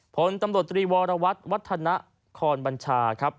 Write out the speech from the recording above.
พลตรีวรวัทย์วัฒนะคอนบัญชา